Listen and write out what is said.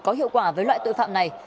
có hiệu quả với loại tội phạm này